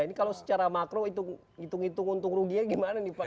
ini kalau secara makro itu hitung hitung untung ruginya gimana nih pak